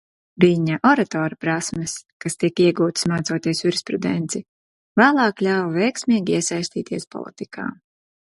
Viņa oratora prasmes, kas tika iegūtas mācoties jurisprudenci, vēlāk ļāva veiksmīgi iesaistīties politikā.